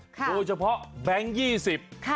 โดยเฉพาะแบงก์๒๐